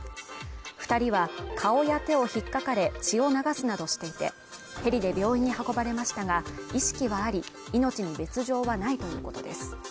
２人は顔や手を引っかかれ、血を流すなどしていて、ヘリで病院に運ばれましたが意識はあり命に別状はないということです。